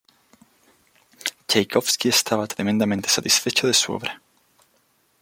Chaikovski estaba tremendamente satisfecho de su obra.